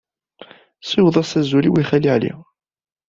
Ssiweḍ-as azul-iw i Xali Ɛli.